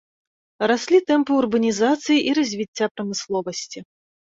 Раслі тэмпы урбанізацыі і развіцця прамысловасці.